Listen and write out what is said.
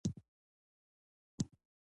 بې طرفانه نه غږیږي